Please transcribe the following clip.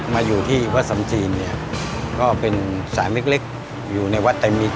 มาอยู่ที่วัดสำจีนเนี่ยก็เป็นสารเล็กเล็กอยู่ในวัดเต็มมิตร